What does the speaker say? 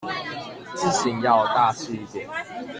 字型要大器一點